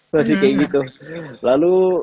masih kayak gitu lalu